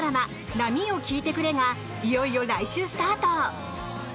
「波よ聞いてくれ」がいよいよ来週スタート。